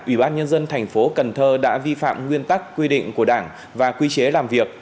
ủy ban nhân dân thành phố cần thơ đã vi phạm nguyên tắc quy định của đảng và quy chế làm việc